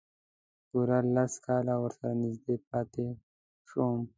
پوره لس کاله ورسره نږدې پاتې شوم.